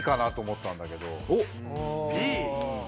おっＢ。